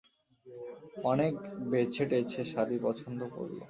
অনেক বেছেটেছে শাড়ি পছন্দ করল।